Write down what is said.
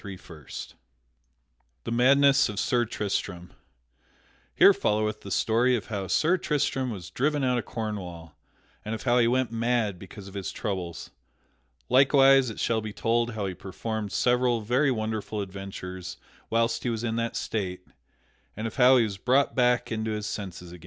PART III The Madness of Sir Tristram _Here followeth the story of how Sir Tristram was driven out of Cornwall and of how he went mad because of his troubles. Likewise it shall be told how he performed several very wonderful adventures whilst he was in that state, and of how he was brought back into his senses again.